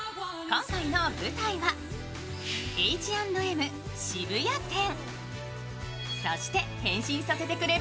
今回の舞台はＨ＆Ｍ渋谷店。